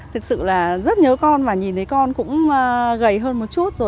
thực sự là rất nhớ con và nhìn thấy con cũng gầy hơn một chút rồi